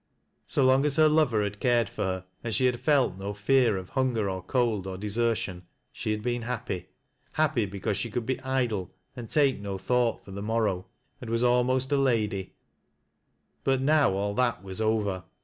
So long as her lover had cared for her, and she had felt no fear of hunger or cold, or deser tion, she had been happy— happy because she could be idle 3* 58 TjiAT LASS 0' LOWBIE'S. and take no thought for the morrow, and was almost a ladj But now all that was over.